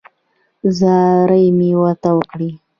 زارۍ مې ورته وکړې.